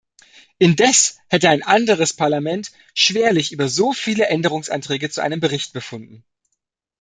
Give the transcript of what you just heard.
Indes hätte ein anderes Parlament schwerlich über so viele Änderungsanträge zu einem Bericht befunden.